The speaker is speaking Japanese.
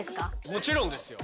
もちろんですよ。